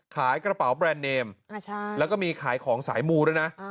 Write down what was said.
ขายกระเป๋าแบรนด์เนมแล้วก็มีขายของสายมูด้วยนะ